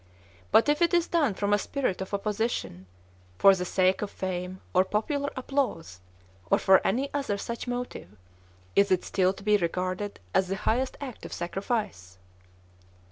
But if it is done from a spirit of opposition, for the sake of fame, or popular applause, or for any other such motive, is it still to be regarded as the highest act of sacrifice?"